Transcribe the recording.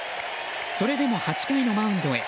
それでも８回のマウンドへ。